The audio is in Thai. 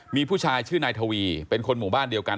มีผู้ชายชื่อนายทวีเป็นคนหมู่บ้านเดียวกัน